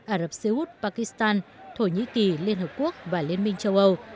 ả rập xê út pakistan thổ nhĩ kỳ liên hợp quốc và liên minh châu âu